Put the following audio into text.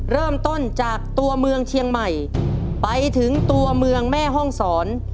เริ่มต้นจากตัวเมืองเชียงใหม่ไปถึงตัวเมืองแม่ห้องศร